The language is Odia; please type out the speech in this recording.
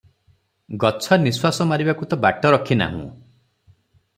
ଗଛ ନିଃଶ୍ୱାସ ମାରିବାକୁ ତ ବାଟ ରଖି ନାହୁଁ ।